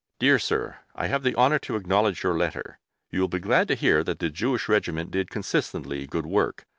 DEAR SIR, I have the honour to acknowledge your letter.... You will be glad to hear that the Jewish Regiment did consistently good work....